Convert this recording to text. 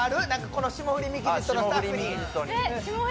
この「霜降りミキＸＩＴ」のスタッフに？